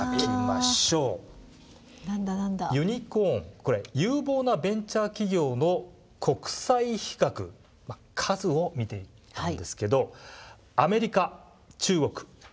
これ有望なベンチャー企業の国際比較数を見ていったんですけどアメリカ中国ヨーロッパ日本。